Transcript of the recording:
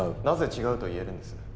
なぜ違うと言えるんです？